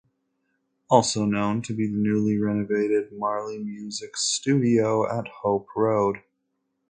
Also known to be the newly renovated Marley Music Studio at Hope Road.